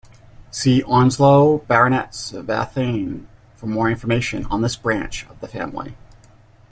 See Onslow Baronets of Althain for more information on this branch of the family.